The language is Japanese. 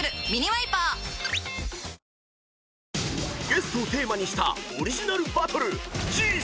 ［ゲストをテーマにしたオリジナルバトル］